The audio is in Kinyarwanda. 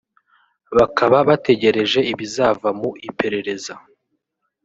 bakaba bategereje ibizava mu iperereza